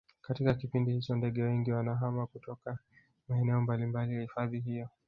katika kipindi hicho ndege wengi wanahama kutoka maeneo mbalimbali ya hifadhi hiyo